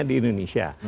sebelumnya di indonesia